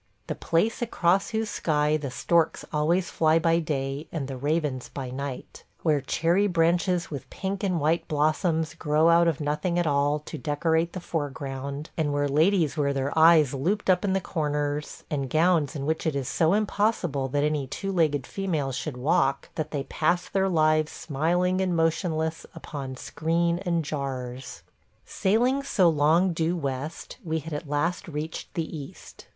The place across whose sky the storks always fly by day, and the ravens by night – where cherry branches with pink and white blossoms grow out of nothing at all to decorate the foreground, and where ladies wear their eyes looped up in the corners, and gowns in which it is so impossible that any two legged female should walk that they pass their lives smiling and motionless upon screen and jars. ... Sailing so long due west, we had at last reached the East.